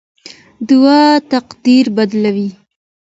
دعا تقدیر بدلوي.